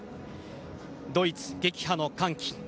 ドイツ撃破の歓喜。